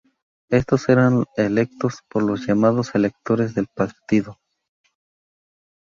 Estos eran electos por los llamados electores de Partido.